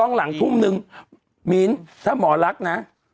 ต้องหลังทุ่มนึงมีนถ้าหมอรักนะ